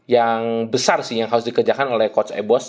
yang besar sih yang harus dikerjakan oleh coach eboz